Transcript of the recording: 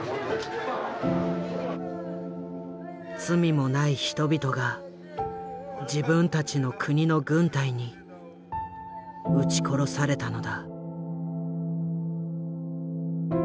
罪もない人々が自分たちの国の軍隊に撃ち殺されたのだ。